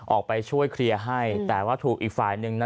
ออกไปช่วยเคลียร์ให้แต่ว่าถูกอีกฝ่ายหนึ่งนั้น